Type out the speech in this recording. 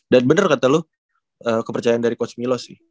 dan bener kata lo kepercayaan dari coach milos sih